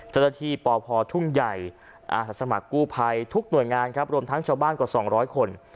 เจ้าหน้าที่ปพทุ่งใหญ่อาสาสมัครกู้ภัยทุกหน่วยงานครับรวมทั้งชาวบ้านกว่า๒๐๐คน